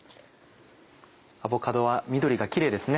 アボカドは緑がキレイですね。